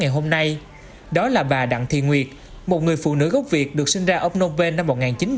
hôm nay đó là bà đặng thị nguyệt một người phụ nữ gốc việt được sinh ra ở phnom penh năm một nghìn chín trăm bốn mươi tám